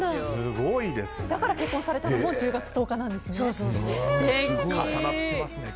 だから結婚されたのも１０月１０日なんですね。